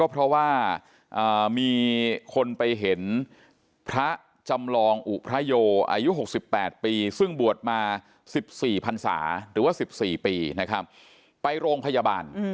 เพราะว่ามีคนไปเห็นพระจำลองอุพระโยอายุ๖๘ปีซึ่งบวชมา๑๔พันศาหรือว่า๑๔ปีนะครับไปโรงพยาบาล